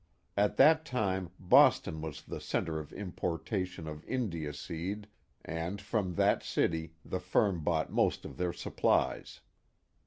At that time Boston was the centre of importation of India seed and from that city the firm bought most of their supplies.